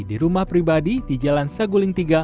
di rumah pribadi di jalan seguling